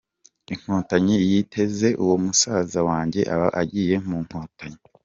Inkotanyi ziteye, uwo musaza wanjye aba agiye mu Nkotanyi.